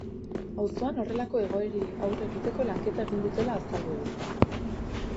Auzoan horrelako egoerei aurre egiteko lanketa egin dutela azaldu du.